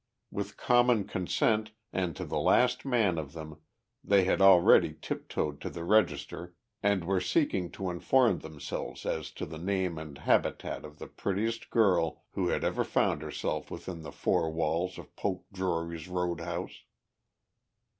With common consent and to the last man of them they had already tiptoed to the register and were seeking to inform themselves as to the name and habitat of the prettiest girl who had ever found herself within the four walls of Poke Drury's road house.